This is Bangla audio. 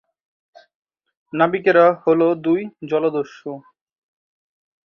নাবিকেরা হল দুই জলদস্যু।